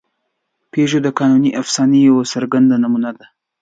پيژو د قانوني افسانې یوه څرګنده نمونه ده.